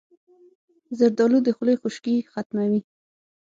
زردالو د خولې خشکي ختموي.